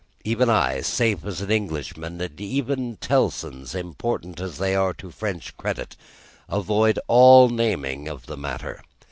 Even I, safe as an Englishman, and even Tellson's, important as they are to French credit, avoid all naming of the matter.